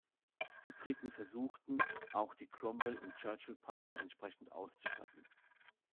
Die Briten versuchten, auch die Cromwell- und Churchill-Panzer entsprechend auszustatten.